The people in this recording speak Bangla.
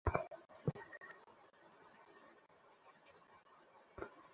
পাশাপাশি চুক্তিভিত্তিক চাষের মাধ্যমে পাঙাশ মাছ সংগ্রহ করে প্রক্রিয়াজাত করবেন তাঁরা।